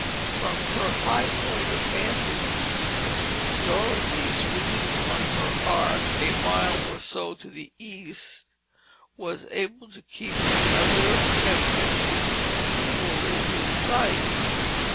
From her high point of vantage, Dorothy, swinging on her arc a mile or so to the east, was able to keep the other amphibian continually in sight.